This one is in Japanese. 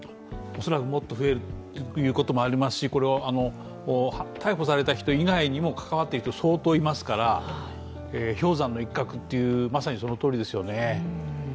恐らく、もっと増えるということもありますし逮捕された人以外にも関わった人は相当いますから氷山の一角という、まさにそのとおりですよね。